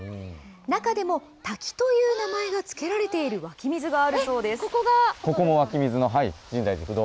中でも、滝という名前が付けられている湧き水があるそうです。